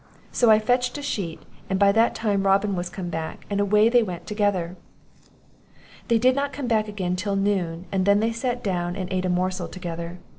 So I fetched a sheet, and by that time Robin was come back, and away they went together. "They did not come back again till noon, and then they sat down and ate a morsel together.